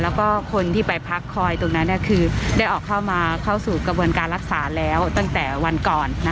แล้วก็คนที่ไปพักคอยตรงนั้นคือได้ออกเข้ามาเข้าสู่กระบวนการรักษาแล้วตั้งแต่วันก่อน